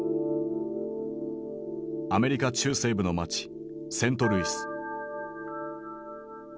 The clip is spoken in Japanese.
アメリカ中西部の街セントルイス。